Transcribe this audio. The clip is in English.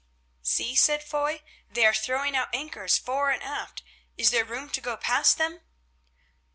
"See," said Foy, "they are throwing out anchors fore and aft. Is there room to go past them?"